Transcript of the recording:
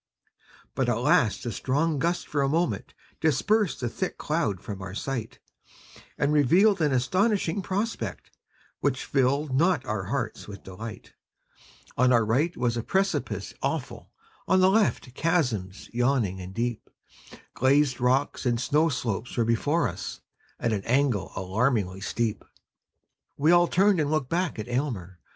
But at last a strong gust for a moment Dispersed the thick cloud from our sight, And revealed an astonishing prospect, Which filled not our hearts with delight: On our right was a precipice awful; On the left chasms yawning and deep; Glazed rocks and snow slopes were before us, At an angle alarmingly steep. We all turned and looked back at Almer.